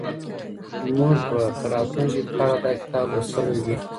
موږ به تر راتلونکي کاله دا کتاب لوستلی وي.